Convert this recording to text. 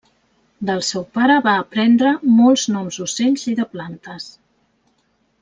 Del seu pare va aprendre molts noms d’ocells i de plantes.